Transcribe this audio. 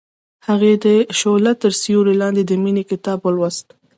هغې د شعله تر سیوري لاندې د مینې کتاب ولوست.